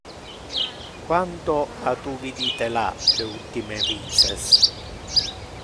Quando ha tu vidite la le ultime vices?